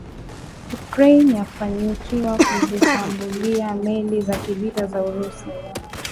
Ukraine yafanikiwa kuzishambulia meli za kivita za Urusi